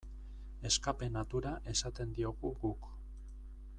Escape-natura esaten diogu guk.